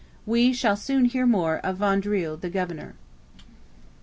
We shall soon hear more of Vaudreuil the governor.